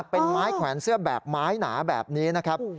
เป็นไม้แขวนเสื้อแบบไม้หนาแบบนี้นะครับ